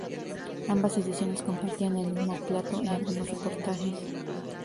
Ambas ediciones compartían el mismo plató y algunos reportajes.